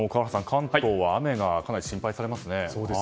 関東は雨が心配されますね。